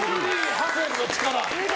ハセンの力。